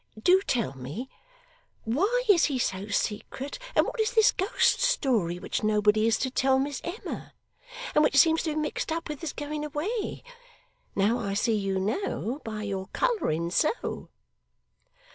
Do tell me. Why is he so secret, and what is this ghost story, which nobody is to tell Miss Emma, and which seems to be mixed up with his going away? Now I see you know by your colouring so.